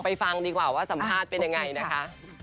ฟังดีกว่าว่าสัมภาษณ์เป็นยังไงนะคะ